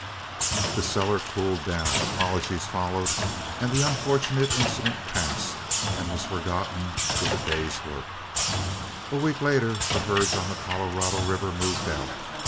The seller cooled down, apologies followed, and the unfortunate incident passed and was forgotten with the day's work. A week later the herds on the Colorado River moved out.